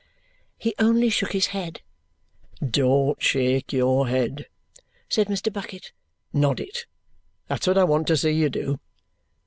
He only shook his head. "Don't shake your head," said Mr. Bucket. "Nod it; that's what I want to see you do.